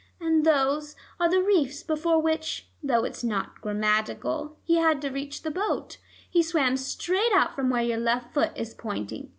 And those are the reefs, before which, though it's not grammatical, he had to reach the boat. He swam straight out from where your left foot is pointing.